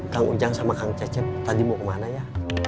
kang ujang sama kang cecep tadi mau kemana ya